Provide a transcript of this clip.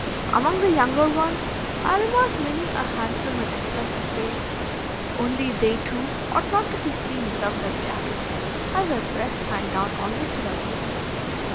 Among the younger ones I remarked many a handsome and expressive face; only they, too, ought not to be seen without their jackets, as their breasts hang down almost to their knees.